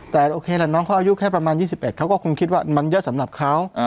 แต่โอเคละน้องเขาอายุแค่ประมาณ๒๑เขาก็คงคิดว่ามันเยอะสำหรับเขา